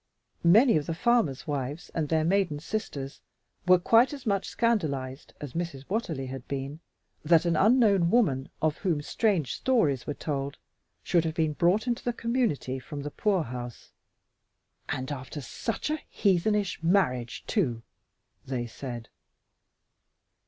Many of the farmers' wives and their maiden sisters were quite as much scandalized as Mrs. Watterly had been that an unknown woman, of whom strange stories were told, should have been brought into the community from the poorhouse, "and after such a heathenish marriage, too," they said.